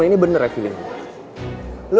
kita perlu menunggu